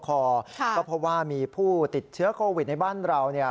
ก็เพราะว่ามีผู้ติดเชื้อโควิดในบ้านเราเนี่ย